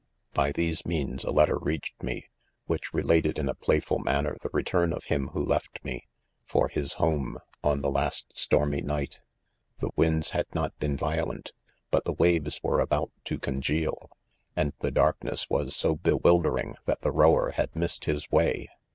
,By these means a letter reached me, Which related in a play ful manner the return of him who left me, for his home, on the last stormy night. c The winds had not been violent, but the waves were about to congeal, and the dark ness was so bewildering that the rower had missed his way.